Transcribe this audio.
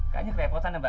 kayaknya kerepotan mbak